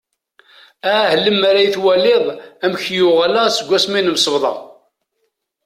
Ah lamer ad iyi-twaliḍ amek uɣaleɣ seg wass mi nemsebḍa.